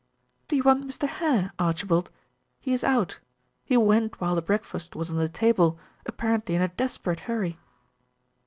"Do you want Mr. Hare, Archibald? He is out. He went while the breakfast was on the table, apparently in a desperate hurry."